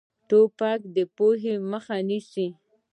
توپک د پوهې مخه نیسي.